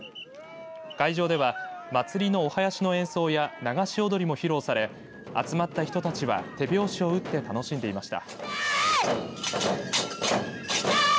会場では、祭りのお囃子の演奏や流し踊りも披露され集まった人たちは手拍子を打って楽しんでいました。